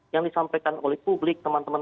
yang disampaikan oleh publik teman teman